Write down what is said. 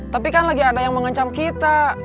tapi kan lagi ada yang mengancam kita